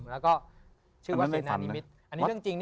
แล้วก็ชื่อวัดเซนานิมิตร